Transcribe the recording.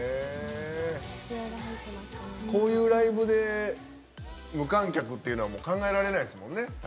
こういうライブで無観客っていうのは考えられないですもんね。